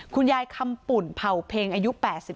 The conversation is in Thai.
คุณยายคำปุ่นเผ่าเพ็งอายุ๘๓